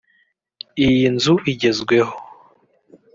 Iyi nzu igezweho